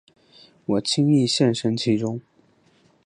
我轻易陷身其中